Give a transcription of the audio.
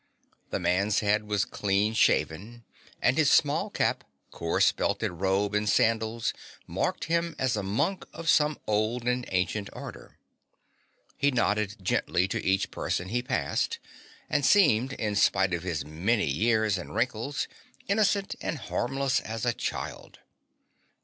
The man's head was clean shaven and his small cap, coarse belted robe and sandals marked him as a monk of some old and ancient order. He nodded gently to each person he passed, and seemed, in spite of his many years and wrinkles, innocent and harmless as a child.